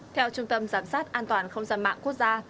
theo trung tâm giám sát an toàn không gian mạng quốc gia